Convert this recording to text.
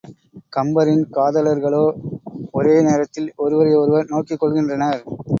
கம்பரின் காதலர்களோ ஒரே நேரத்தில் ஒருவரை ஒருவர் நோக்கிக் கொள்கின்றனர்.